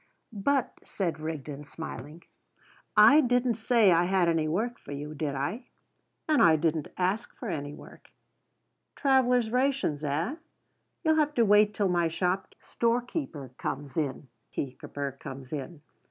"But," said Rigden, smiling, "I didn't say I had any work for you, did I?" "And I didn't ask for any work." "Travellers' rations, eh? You'll have to wait till my storekeeper comes in.